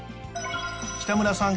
北村さん